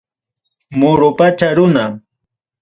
Moro pacha runa.